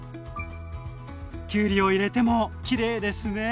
きゅうりを入れてもきれいですね！